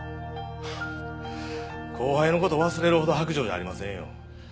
フッ後輩の事忘れるほど薄情じゃありませんよ。